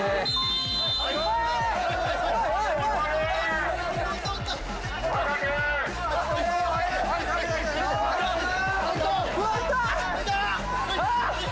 あっ！